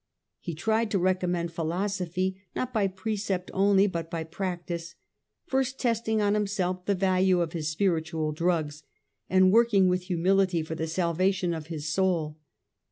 He tried to recommend philosophy not by pre cept only but by practice, first testing on himself the value of his spiritual drugs, and working with humility for the salvation of his soul.